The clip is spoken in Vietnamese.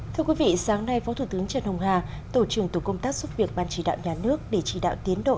thưa quý vị sáng nay phó thủ tướng trần hồng hà tổ trưởng tổ công tác xuất việc ban chỉ đạo nhà nước để chỉ đạo tiến độ